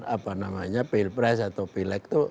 apa namanya pilpres atau pileg itu